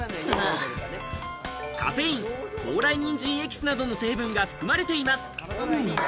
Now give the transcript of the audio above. カフェイン、高麗人参エキスなどの成分が含まれています。